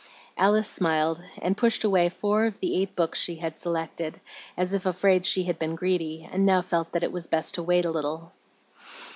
Alice smiled, and pushed away four of the eight books she had selected, as if afraid she had been greedy, and now felt that it was best to wait a little.